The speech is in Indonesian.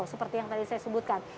seperti yang tadi saya sebutkan